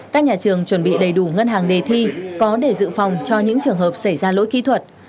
các nhà trường chuẩn bị đầy đủ ngân hàng đề thi có để dự phòng cho những trường hợp xảy ra lỗi kỹ thuật